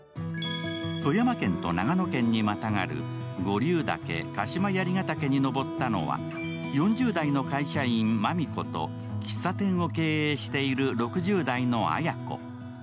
富山県と長野県にまたがる五竜岳、鹿島槍ヶ岳に登ったのは４０代の会社員・麻実子と喫茶店を経営している６０代の綾子。